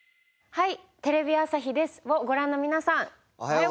はい。